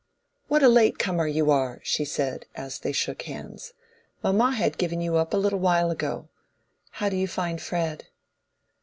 "What a late comer you are!" she said, as they shook hands. "Mamma had given you up a little while ago. How do you find Fred?"